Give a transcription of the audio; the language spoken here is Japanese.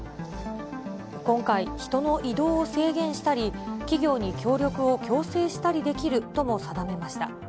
今回、人の移動を制限したり、企業に協力を強制したりできるとも定めました。